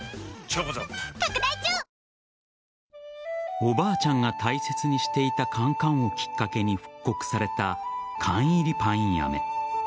おばあちゃんが大切にしていたカンカンをきっかけに復刻された缶入りパインアメ。